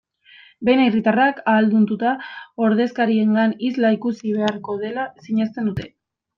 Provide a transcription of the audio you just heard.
Behin herritarrak ahaldunduta, ordezkariengan isla ikusi beharko dela sinesten dute.